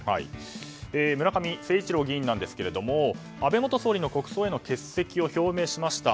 村上誠一郎議員なんですけども安倍元総理の国葬への欠席を表明しました。